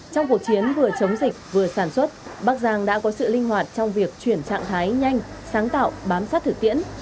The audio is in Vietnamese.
trong cuộc chiến vừa chống dịch vừa sản xuất bắc giang đã có sự linh hoạt trong việc chuyển trạng thái nhanh sáng tạo bám sát thực tiễn